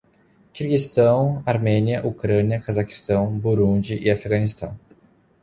Quirguistão, Armênia, Ucrânia, Cazaquistão, Burundi e Afeganistão